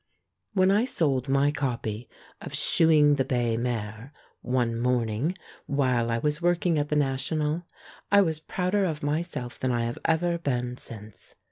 When I sold my copy of "Shoeing the Bay Mare" one morning, while I was work ing at the National, I was prouder of myself than I have ever been since.